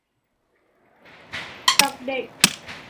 กับเด็ก